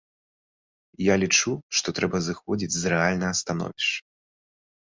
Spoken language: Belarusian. Я лічу, што трэба зыходзіць з рэальнага становішча.